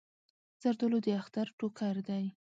زردالو د اختر ټوکر دی.